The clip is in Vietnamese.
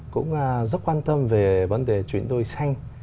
cũng rất quan tâm về vấn đề chuyển đổi xanh